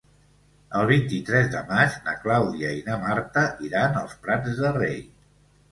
El vint-i-tres de maig na Clàudia i na Marta iran als Prats de Rei.